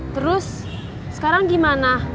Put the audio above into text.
terus sekarang gimana